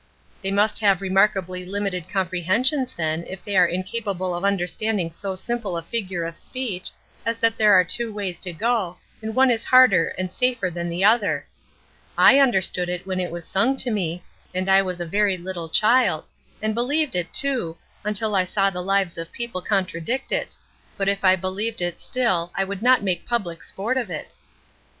"They must have remarkably limited comprehensions then if they are incapable of understanding so simple a figure of speech, as that there are two ways to go, and one is harder and safer than the other. I understood it when it was sung to me and I was a very little child and believed it, too, until I saw the lives of people contradict it; but if I believed, it still I would not make public sport of it."